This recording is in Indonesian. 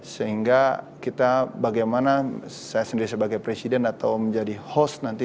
sehingga kita bagaimana saya sendiri sebagai presiden atau menjadi host nanti